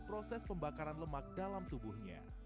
proses pembakaran lemak dalam tubuhnya